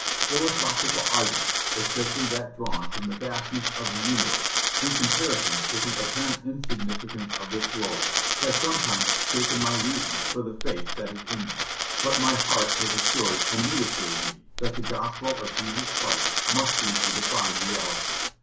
Philosophical argument, especially that drawn from the vastness of the universe in comparison with the apparent insignificance of this globe, has sometimes shaken my reason for the faith that is in me; but my heart has assured and reassured me that the Gospel of Jesus Christ must be a Divine Reality.